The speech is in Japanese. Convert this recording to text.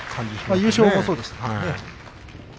優勝もそうでしたね。